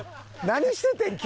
何しててん？